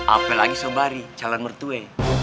apalagi sobari calon mertue